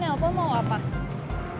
nah siapa emang teman teman